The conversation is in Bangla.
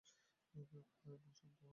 খা, এবং শান্ত হ!